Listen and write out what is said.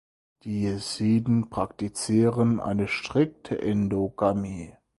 Die Jesiden praktizieren eine strikte Endogamie.